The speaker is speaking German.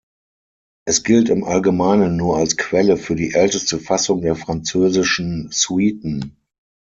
Es gilt im Allgemeinen nur als Quelle für die älteste Fassung der Französischen Suiten.